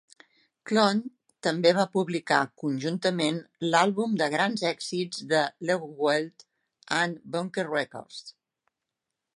Clone també va publicar conjuntament l'àlbum de grans èxits de Legowelt amb Bunker Records.